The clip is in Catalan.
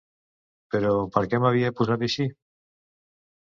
Però, per què m'havia posat així?